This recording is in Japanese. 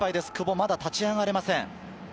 まだ立ち上がれません。